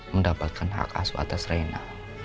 mendapatkan hak asuh atas reina